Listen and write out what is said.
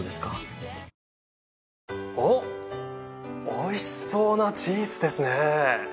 おいしそうなチーズですね。